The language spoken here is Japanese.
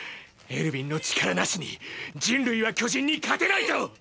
エルヴィンの力なしに人類は巨人に勝てないと！！